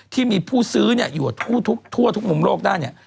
ที่มีผู้ซื้ออยู่ทั่วทุกมุมโลกได้